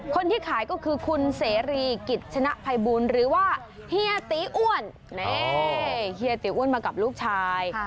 คนที่ขายก็คือคุณเสรีกิจชนะภัยบูลหรือว่าเฮียตีอ้วนเฮียตีอ้วนมากับลูกชาย